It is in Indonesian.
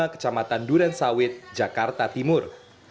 kecamatan duren sawit jakarta timur